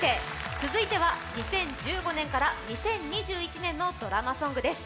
続いては２０１５年から２０２１年のドラマソングです。